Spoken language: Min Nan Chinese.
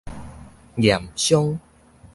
驗傷